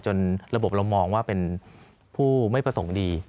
ระบบเรามองว่าเป็นผู้ไม่ประสงค์ดี